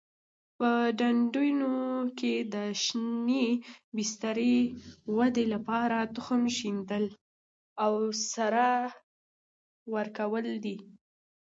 په ډنډونو کې د شینې بسترې ودې لپاره تخم شیندل او سره ورکول کېږي.